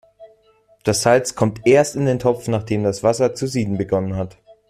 Das Salz kommt erst in den Topf, nachdem das Wasser zu sieden begonnen hat.